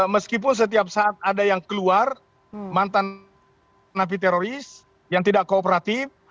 meskipun setiap saat ada yang keluar mantan napi teroris yang tidak kooperatif